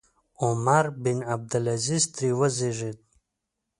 عمر بن عبدالعزیز ترې وزېږېد.